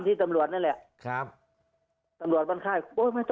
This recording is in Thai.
แค่นี้ผมยอมความกันไปแล้วมันก็เสร็จ